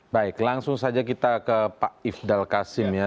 baik langsung saja kita ke pak ifdal kasim ya